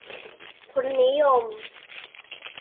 ทุนนิยม